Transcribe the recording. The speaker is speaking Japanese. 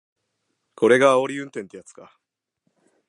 これがあおり運転ってやつか